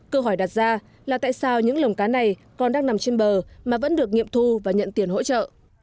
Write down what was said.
câu hỏi đặt ra là tại sao những lồng cá này còn đang nằm trên bờ mà vẫn được nghiệm thu và nhận tiền hỗ trợ